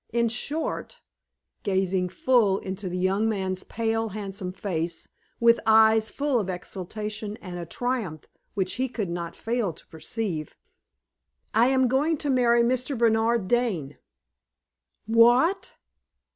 In short," gazing full into the young man's pale, handsome face, with eyes full of exultation and a triumph which he could not fail to perceive "I am going to marry Mr. Bernard Dane." "What!"